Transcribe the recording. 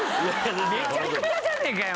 めちゃくちゃじゃねえかよ